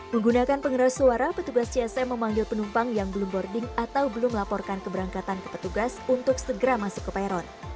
menggunakan pengeras suara petugas csm memanggil penumpang yang belum boarding atau belum melaporkan keberangkatan ke petugas untuk segera masuk ke peron